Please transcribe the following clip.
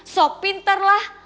so pintar lah